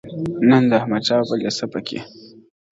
نن د احمدشاه بابا لیسه په کي